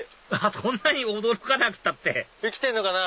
そんなに驚かなくたって生きてんのかな？